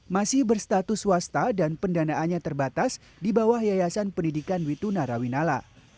masih berstatus swasta dan pendanaannya terbatas di bawah yayasan pendidikan wituna rawinala